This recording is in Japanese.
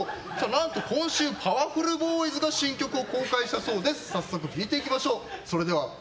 なんと今週パワフルボーイズの新曲が公開されたそうです。